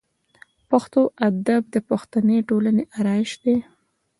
پښتو ادب د پښتني ټولنې آرایش دی.